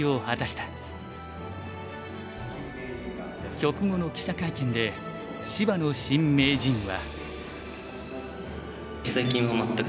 局後の記者会見で芝野新名人は。